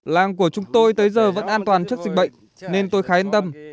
làng của chúng tôi tới giờ vẫn an toàn trước dịch bệnh nên tôi khá yên tâm